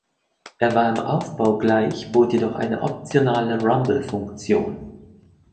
Er war im Aufbau gleich, bot jedoch eine optionale Rumble-Funktion.